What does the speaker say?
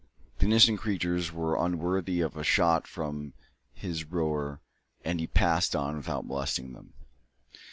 The innocent creatures were unworthy of a shot from his roer, and he passed on without molesting them.